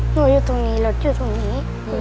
อยู่ตรงนี้รถอยู่ตรงนี้